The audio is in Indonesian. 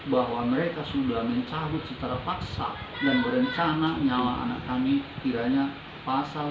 bahwa mereka sudah mencahut secara paksa dan merencana nyawa anak kami kiranya pasal tiga ratus empat puluh